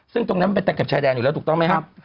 ซึ่งตรงนั้นเป็นแต่ที่กับชายแดนเนี่ยถูกต้องไหมครับ